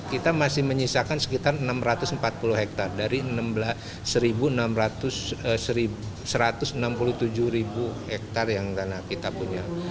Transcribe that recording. kita masih menyisakan sekitar enam ratus empat puluh hektare dari satu ratus enam puluh tujuh ribu hektare yang tanah kita punya